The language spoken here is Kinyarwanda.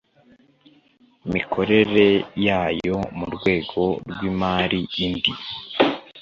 mikorere yayo mu rwego rw imari indi